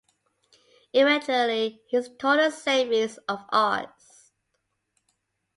Eventually his total savings of Rs.